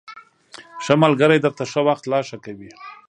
ښه ملگري درته ښه وخت لا ښه کوي